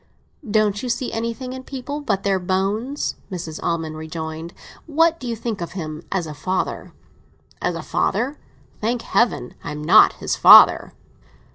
"Don't you see anything in people but their bones?" Mrs. Almond rejoined. "What do you think of him as a father?" "As a father? Thank Heaven I am not his father!"